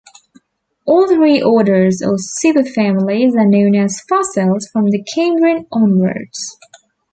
All three orders or superfamilies are known as fossils from the Cambrian onwards.